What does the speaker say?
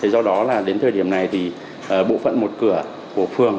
do đó đến thời điểm này bộ phận một cửa của phường